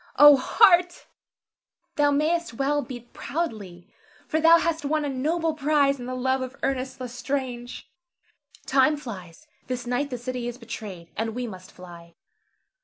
O heart! thou mayst well beat proudly, for thou hast won a noble prize in the love of Ernest L'Estrange. Time flies; this night the city is betrayed, and we must fly.